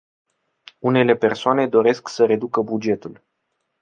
Unele persoane doresc să reducă bugetul.